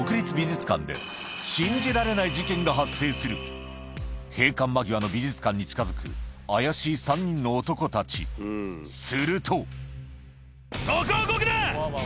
そんな中閉館間際の美術館に近づく怪しい３人の男たちするとあぁ！